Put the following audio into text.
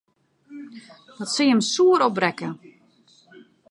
Dat sil jim soer opbrekke.